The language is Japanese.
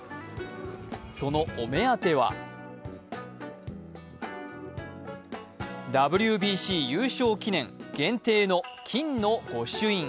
そのお目当てはＷＢＣ優勝記念限定の金のご朱印。